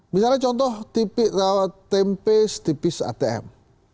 misalnya contoh tempes tipis atm